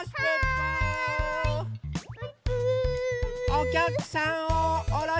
おきゃくさんをおろします！